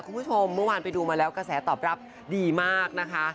คุณผู้ชมเมื่อวานไปดูมาแล้วกระแสตอบรับดีมากนะคะ